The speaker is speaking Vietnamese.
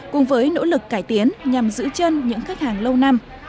cùng với nỗ lực cải tiến nhằm giữ chân những khách hàng lâu năm